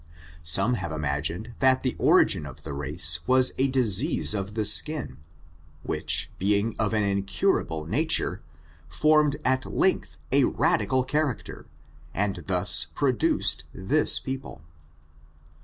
Some have imagined, that the origin of the race was a disease of the skin, which, being of an incurable nature, formed at length a radical character, and thus produced this people.